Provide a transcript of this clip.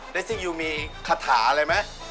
เล็กซี่ยูมีขถาอะไรมั้ย